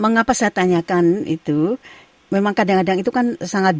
mengapa saya tanyakan itu memang kadang kadang itu kan sangat baur begitu antara spiritualitas dan agama itu